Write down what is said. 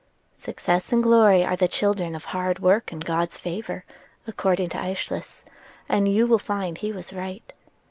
"'Success and glory are the children of hard work and God's favor,' according to Æschylus, and you will find he was right.